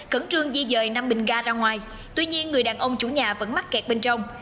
cẩn trương di dời năm bình ga ra ngoài tuy nhiên người đàn ông chủ nhà vẫn mắc kẹt bên trong